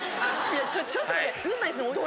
いやちょっと待って。